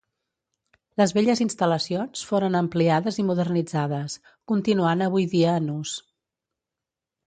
Les velles instal·lacions foren ampliades i modernitzades, continuant avui dia en ús.